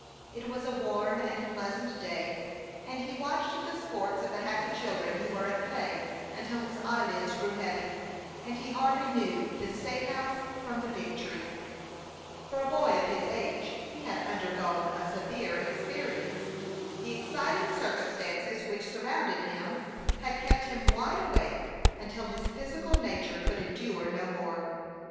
It was a warm and pleasant day, and he watched the sports of the happy children who were at play, until his eyelids grew heavy, and he hardly knew the State House from the Big Tree. For a boy of his age he had undergone a severe experience. The exciting circumstances which surrounded him had kept him wide awake until his physical nature could endure no more.